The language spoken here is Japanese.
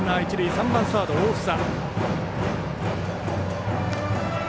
３番サード、大房。